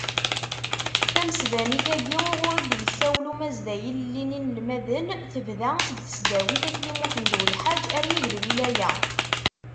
Tamesbanit-agi uɣur i d-yessawel Umazday ilelli n yinelmaden, tebda seg tesdawit Akli Muḥend Ulḥaǧ armi d lwilaya.